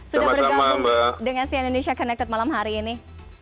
sudah bergabung dengan cn indonesia connected malam hari ini